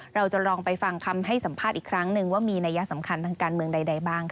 เราจะลองไปฟังคำให้สัมภาษณ์อีกครั้งนึงว่ามีนัยสำคัญทางการเมืองใดบ้างค่ะ